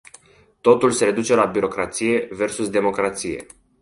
Totul se reduce la birocrație versus democrație.